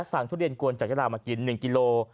ทุเรียนกวนจากยาลามากิน๑กิโล